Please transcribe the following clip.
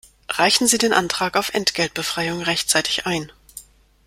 Reichen Sie den Antrag auf Entgeltbefreiung rechtzeitig ein!